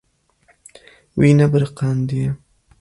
Wî nebiriqandiye.